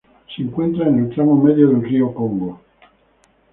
Se encuentra en el tramo medio del río Congo.